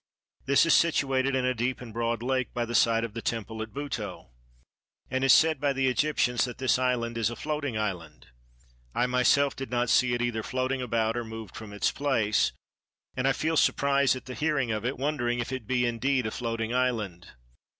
This is situated in a deep and broad lake by the side of the temple at Buto, and it is said by the Egyptians that this island is a floating island. I myself did not see it either floating about or moved from its place, and I feel surprise at hearing of it, wondering if it be indeed a floating island.